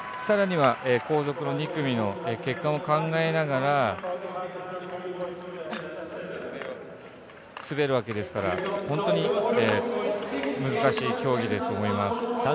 さらには、後続の２組の結果も考えながら滑るわけですから本当に難しい競技だと思います。